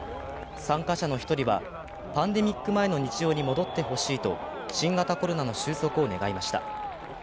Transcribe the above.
参加者の１人は、パンデミック前の日常に戻ってほしいと、新型コロナの収束を願いました。